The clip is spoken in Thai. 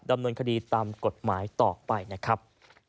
ดำเนินคดีตามกฎหมายต่อไปนะครับ